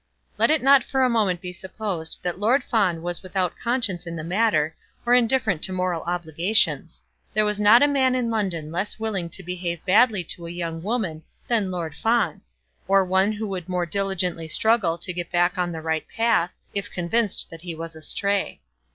Let it not for a moment be supposed that Lord Fawn was without conscience in the matter, or indifferent to moral obligations. There was not a man in London less willing to behave badly to a young woman than Lord Fawn; or one who would more diligently struggle to get back to the right path, if convinced that he was astray.